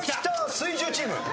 水１０チーム。